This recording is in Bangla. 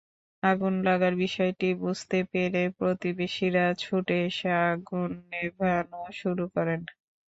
আগুন লাগার বিষয়টি বুঝতে পেরে প্রতিবেশীরা ছুটে এসে আগুন নেভানো শুরু করেন।